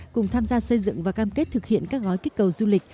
cùng tham gia xây dựng và cam kết thực hiện các gói kích cầu du lịch